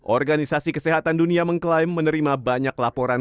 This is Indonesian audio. organisasi kesehatan dunia mengklaim menerima banyak laporan